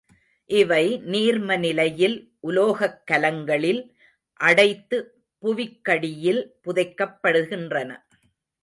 இவை நீர்ம நிலையில் உலோகக் கலங்களில் அடைத்து புவிக்கடியில் புதைக்கப்படுகின்றன.